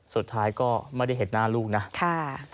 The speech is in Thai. สุดท้ายก็ไม่ได้เห็นหน้าลูกนะค่ะ